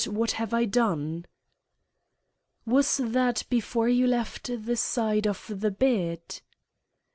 what have I done!'" "Was that before you left the side of the bed?"